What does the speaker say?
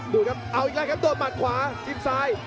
ดูครับเอาอีกแล้วครับโดนหมัดขวาจิ้มซ้าย